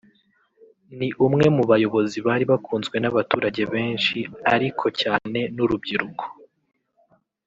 ni umwe mu bayobozi bari bakunzwe n’abaturage benshi ariko cyane n’urubyiruko